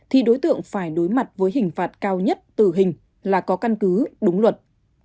thì đối tượng phải đối mặt với hình phạt cao nhất tử hình là có căn cứ đúng luật